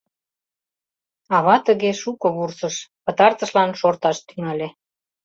Ава тыге шуко вурсыш, пытартышлан шорташ тӱҥале.